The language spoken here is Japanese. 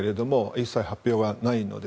一切発表がないので。